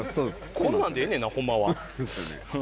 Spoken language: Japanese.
こんなんでええねんな、ほんまは。